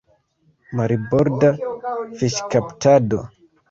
Marborda fiŝkaptado.